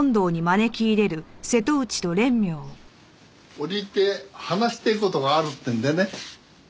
折り入って話してえ事があるってんでね